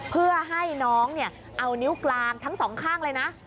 เพื่อให้น้องเอานิ้วกลางทั้งสองข้างเลยนะ